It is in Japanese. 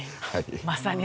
まさに。